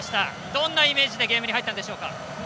どんなイメージでゲームに入ったんでしょうか。